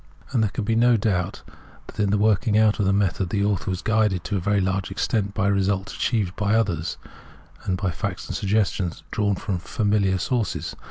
And there can be no doubt that in the working out of the method the author was guided to a very large extelnt by results achieved by others, and by facts and sifg gestions drawn from familiar sources.